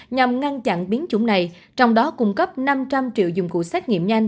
nhằm ngăn chặn biến chủng này trong đó cung cấp năm trăm linh triệu dụng cụ xét nghiệm nhanh